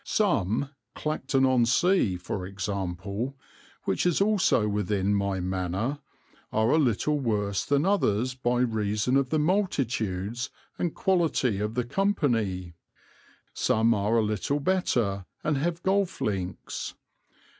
Some, Clacton on Sea for example, which is also within my manor, are a little worse than others by reason of the multitudes and quality of the company; some are a little better, and have golf links.